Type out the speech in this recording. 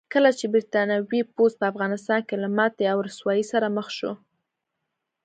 کله چې برتانوي پوځ په افغانستان کې له ماتې او رسوایۍ سره مخ شو.